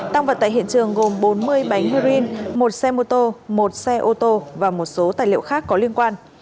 tăng vật tại hiện trường gồm bốn mươi bánh heroin một xe mô tô một xe ô tô và một số tài liệu khác có liên quan